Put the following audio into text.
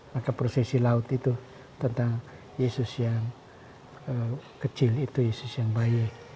maka prosesi laut itu tentang yesus yang kecil itu yesus yang baik